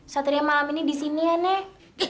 satria malam ini di sini ya nek